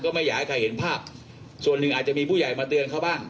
ไม่อยากให้ใครเห็นภาพส่วนหนึ่งอาจจะมีผู้ใหญ่มาเตือนเขาบ้าง